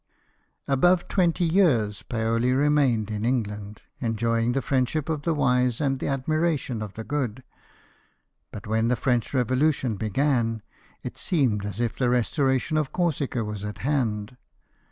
Above twenty years Paoli remained in England^ enjoying the friendship of the wise and the admira tion of the good. But when the French Revolution began, it seemed as if the restoration of Corsica was at hand.